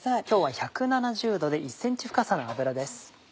今日は１７０℃で１ｃｍ深さの油です。